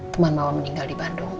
teman mama meninggal di bandung